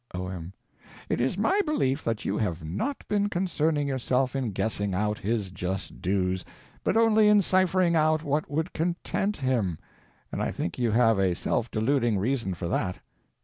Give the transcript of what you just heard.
O.M. It is my belief that you have not been concerning yourself in guessing out his just dues, but only in ciphering out what would content him. And I think you have a self deluding reason for that.